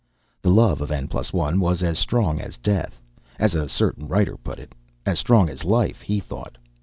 The love of N+1 was as strong as death, as a certain writer put it; as strong as life, he thought.